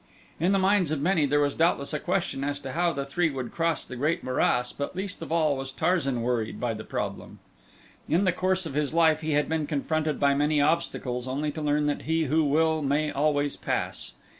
In the minds of many there was doubtless a question as to how the three would cross the great morass but least of all was Tarzan worried by the problem. In the course of his life he had been confronted by many obstacles only to learn that he who will may always pass.